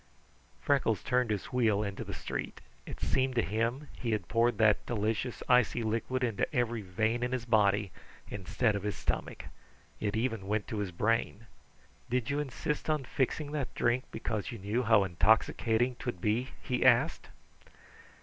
Freckles turned his wheel into the street. It seemed to him he had poured that delicious icy liquid into every vein in his body instead of his stomach. It even went to his brain. "Did you insist on fixing that drink because you knew how intoxicating 'twould be?" he asked.